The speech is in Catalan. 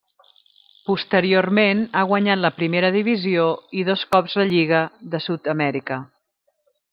Posteriorment ha guanyat la primera divisió i dos cops la Lliga de Sud-amèrica.